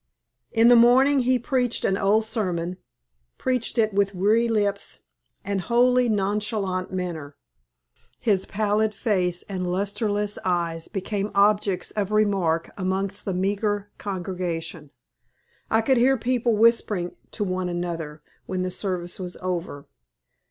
In the morning he preached an old sermon, preached it with weary lips and wholly nonchalant manner. His pallid face and lustreless eyes became objects of remark amongst the meagre congregation. I could hear people whispering to one another when the service was over.